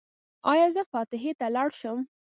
ایا زه فاتحې ته لاړ شم؟